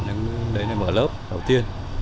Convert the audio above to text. những cái đấy để mở lớp đầu tiên